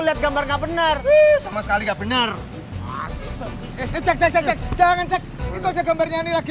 lihat gambar nggak bener sama sekali nggak benar asek cek jangan cek itu aja gambarnya ini lagi